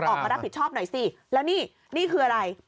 ออกมารับผิดชอบหน่อยสิแล้วนี่นี่คืออะไร